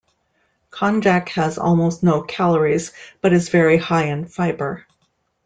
Konjac has almost no calories, but is very high in fiber.